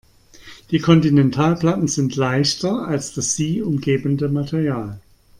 Die Kontinentalplatten sind leichter als das sie umgebende Material.